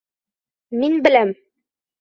Мин беләм!